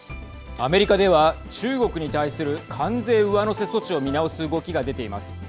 アメリカでは、中国に対する関税上乗せ措置を見直す動きが出ています。